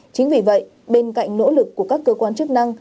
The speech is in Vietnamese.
chính vì vậy bên cạnh nỗ lực của các cơ quan chức năng